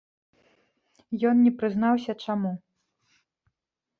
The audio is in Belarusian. Ён не прызнаўся, чаму.